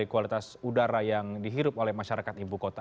kualitas udara yang dihirup oleh masyarakat ibu kota